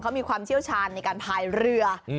เขามีความเชี่ยวชาญในการพายเรือ